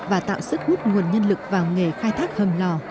và tạo sức hút nguồn nhân lực vào nghề khai thác hầm lò